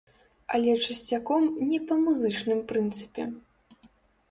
Але часцяком не па музычным прынцыпе.